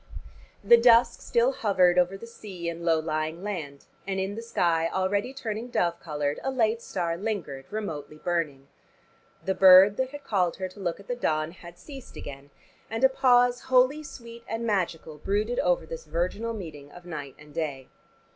The dusk still hovered over the sea and low lying land, and in the sky already turning dove colored a late star lingered, remotely burning. The bird that had called her to look at the dawn had ceased again, and a pause holy and sweet and magical brooded over this virginal meeting of night and day.